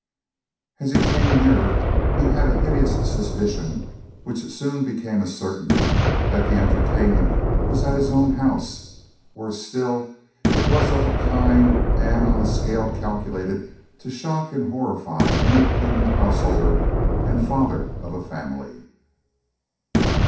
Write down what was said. As he came nearer, he had a hideous suspicion, which soon became a certainty, that the entertainment was at his own house; worse still, it was of a kind and on a scale calculated to shock and horrify any prudent householder and father of a family.